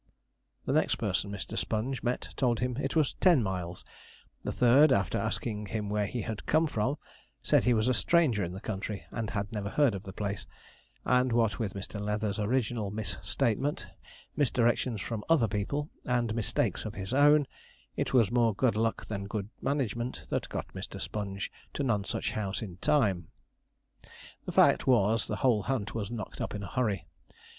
The next person Mr. Sponge met told him it was ten miles; the third, after asking him where he had come from, said he was a stranger in the country, and had never heard of the place; and, what with Mr. Leather's original mis statement, misdirections from other people, and mistakes of his own, it was more good luck than good management that got Mr. Sponge to Nonsuch House in time. [Illustration: MR. SPONGE STARTING FROM THE BOWER] The fact was, the whole hunt was knocked up in a hurry.